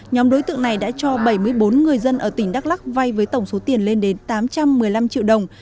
nhóm đối tượng này đã cho bảy mươi bốn người dân ở tỉnh đắk lắc vay với tổng số tiền lên đến tám trăm một mươi năm triệu đồng